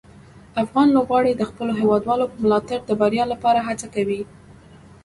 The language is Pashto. افغان لوبغاړي د خپلو هیوادوالو په ملاتړ د بریا لپاره هڅه کوي.